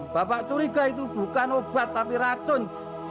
bapak suriga itu bukan obat tapi ratun